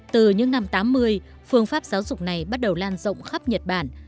từ những năm một nghìn chín trăm tám mươi phương pháp giáo dục này bắt đầu lan rộng khắp nhật bản